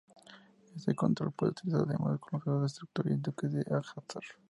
Este control puede utilizarse además con los juegos "Destructor" y "Dukes Of Hazzard".